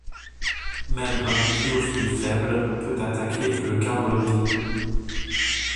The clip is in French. Même un nucléophile faible peut attaquer le carbonyle.